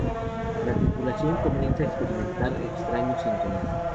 La tripulación comienza a experimentar extraños síntomas.